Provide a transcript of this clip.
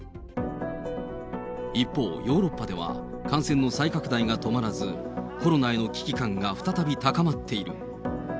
一方、ヨーロッパでは、感染の再拡大が止まらず、コロナへの危機感が再び高まっている。